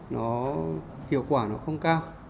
nó hiệu quả nó không cao